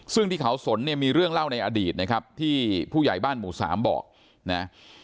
ซึ่งที่เขาสนเนี่ยมีเรื่องเล่าในอดีตนะครับที่ผู้ใหญ่บ้านหมู่สามบอกนะ